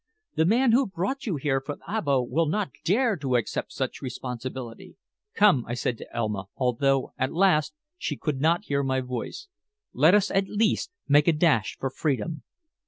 The man who brought you here from Abo will not dare to accept such responsibility." "Come," I said to Elma, although, alas! she could not hear my voice. "Let us at least make a dash for freedom."